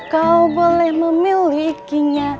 kau boleh memilikinya